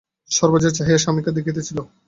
সর্বজয়াও চাহিয়া স্বামীকে দেখিতে ছিল।